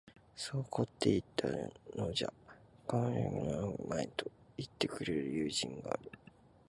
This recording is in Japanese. そう凝っていたのじゃ間職に合うまい、と云ってくれる友人がある